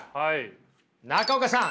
中岡さん